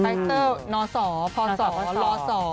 คาแรคเตอร์นสพสลส